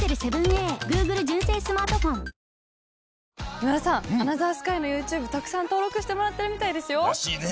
今田さん『アナザースカイ』のＹｏｕＴｕｂｅたくさん登録してもらってるみたいですよ。らしいね。